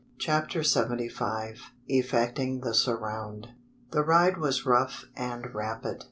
CHAPTER SEVENTY FIVE. EFFECTING THE SURROUND. The ride was rough and rapid.